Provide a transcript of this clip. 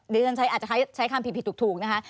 เดี๋ยวฉันอาจจะใช้คำผิดถูกนะคะ